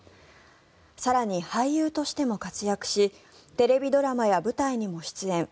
更に、俳優としても活躍しテレビドラマや舞台にも出演。